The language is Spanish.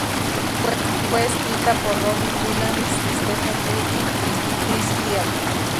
Fue escrita por Robbie Williams, Stephen Duffy, y Chris Heath.